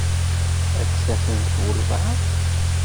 Ad tafemt walebɛaḍ.